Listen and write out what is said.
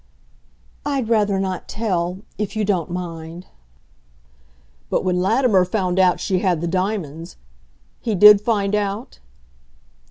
"I'd rather not tell if you don't mind." "But when Latimer found out she had the diamonds he did find out?"